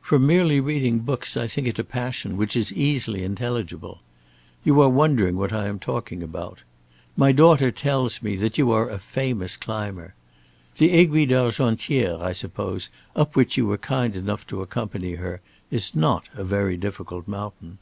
From merely reading books I think it a passion which is easily intelligible. You are wondering what I am talking about. My daughter tells me that you are a famous climber. The Aiguille d'Argentière, I suppose, up which you were kind enough to accompany her, is not a very difficult mountain."